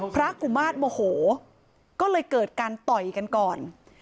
กุมาตรโมโหก็เลยเกิดการต่อยกันก่อน